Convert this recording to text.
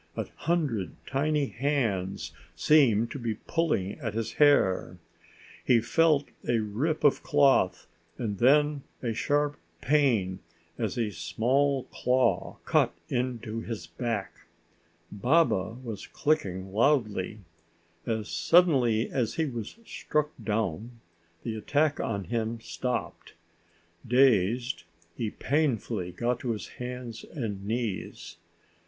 A hundred tiny hands seemed to be pulling at his hair. He felt a rip of cloth and then a sharp pain as a small claw cut into his back. Baba was clicking loudly. As suddenly as he was struck down, the attack on him stopped. Dazed, he painfully got to his hands and knees.